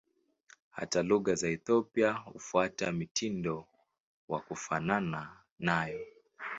Hata lugha za Ethiopia hufuata mtindo wa kufanana nayo.